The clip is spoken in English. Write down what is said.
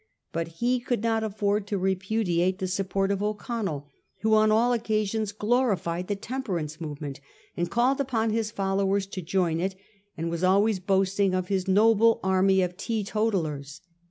But he could not afford to repudiate the support of O'Connell, who on all occa sions glorified the Temperance movement, and called upon his followers to join it, and was always boasting of his 'noble army of Teetotallers.